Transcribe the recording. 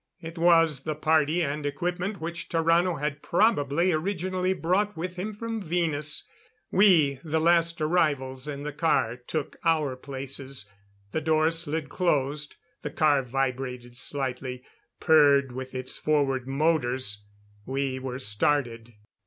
It was the party and equipment which Tarrano had probably originally brought with him from Venus. We, the last arrivals in the car, took our places. The doors slid closed. The car vibrated slightly; purred with its forward motors. We were started.